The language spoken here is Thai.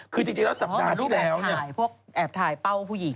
คือจริงแล้วสัปดาห์ที่แล้วเนี่ยอ๋อมันรูปแอบถ่ายพวกแอบถ่ายเป้าผู้หญิง